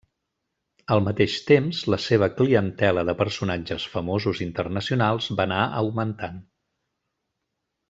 Al mateix temps, la seva clientela de personatges famosos internacionals va anar augmentant.